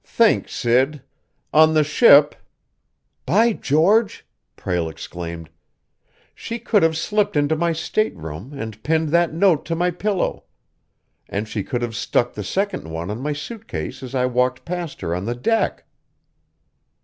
Think, Sid! On the ship " "By George!" Prale exclaimed. "She could have slipped into my stateroom and pinned that note to my pillow, and she could have stuck the second one on my suit case as I walked past her on the deck."